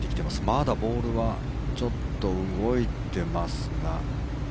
まだボールはちょっと動いていますが。